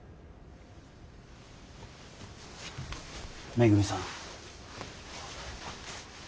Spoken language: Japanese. めぐみさん。